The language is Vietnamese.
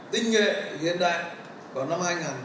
tinh nghệ hiện đại vào năm hai nghìn ba mươi như cầm chỉ đã xác định